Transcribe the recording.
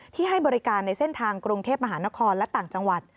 ให้บริการในเส้นทางกรุงเทพมหานครและต่างจังหวัด